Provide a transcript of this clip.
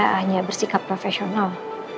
saya hanya bersikap profesional